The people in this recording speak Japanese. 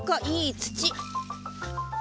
いい土。